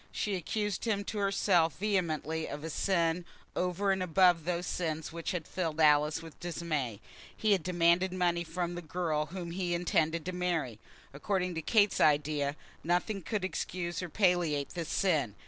She accused him to herself vehemently of a sin over and above those sins which had filled Alice with dismay. He had demanded money from the girl whom he intended to marry! According to Kate's idea, nothing could excuse or palliate this sin.